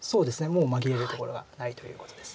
もう紛れるところがないということです。